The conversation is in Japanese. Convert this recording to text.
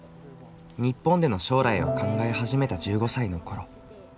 日本での将来を考え始めた１５歳のころ